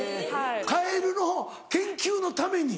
カエルの研究のために？